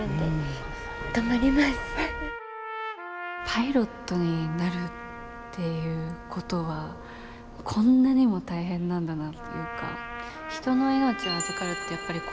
パイロットになるっていうことはこんなにも大変なんだなっていうか人の命を預かるってやっぱりこういうことなんだなって。